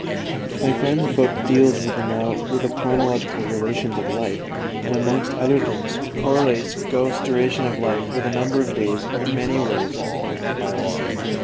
"_ My friend's book deals with the chronological relations of life, and, amongst other things, correlates Goethe's duration of life with a number of days in many ways important to biology.